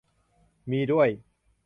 มี ด้วย